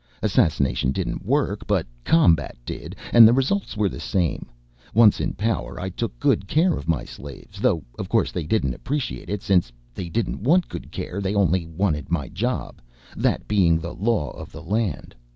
Assassination didn't work but combat did, and the results were the same. Once in power I took good care of my slaves, though of course they didn't appreciate it since they didn't want good care, they only wanted my job, that being the law of the land.